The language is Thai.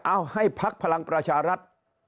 เอาให้พักพลังประชารัฐ